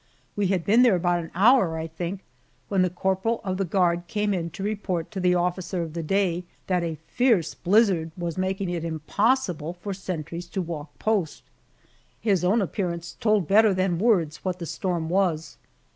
We had been there about an hour, I think, when the corporal of the guard came in to report to the officer of the day, that a fierce blizzard was making it impossible for sentries to walk post. His own appearance told better than words what the storm was.